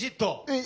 え